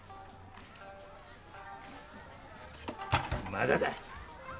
まだだ。